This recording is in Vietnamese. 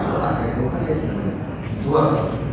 chúng ta quản lý thế nào